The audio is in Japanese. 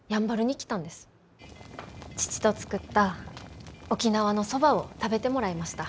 父と作った沖縄のそばを食べてもらいました。